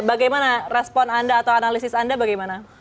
bagaimana respon anda atau analisis anda bagaimana